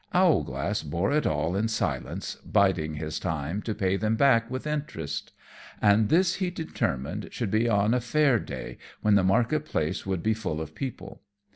Owlglass bore all in silence, biding his time to pay them back with interest; and this he determined should be on a fair day, when the market place would be full of people.